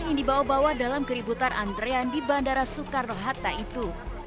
yang dibawa bawa dalam keributan antrean di bandara soekarno hatta itu